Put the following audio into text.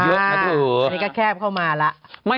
นี่นี่